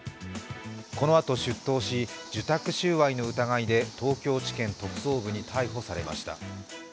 このあと出頭し、受託収賄の疑いで東京地検特捜部に逮捕されました。